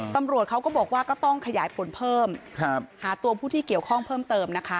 ตำรวจเขาก็บอกว่าก็ต้องขยายผลเพิ่มหาตัวผู้ที่เกี่ยวข้องเพิ่มเติมนะคะ